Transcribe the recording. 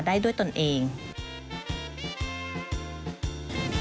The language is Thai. เทศบาลช่วยรับงานมากมายหลายด้าน